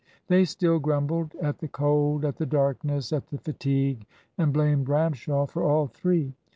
They still grumbled at the cold, and the darkness, and the fatigue, and blamed Ramshaw for all three.